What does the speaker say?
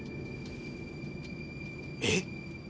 えっ？